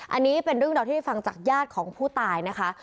อันนี้เป็นเรื่องราวที่ได้ฟังจากญาติของผู้ตายนะคะ